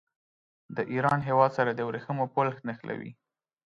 د ایران هېواد سره د ورېښمو پل نښلوي.